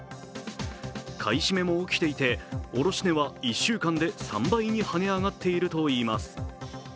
買い占めも起きていて、卸値は１週間で３倍にはね上がっているといいます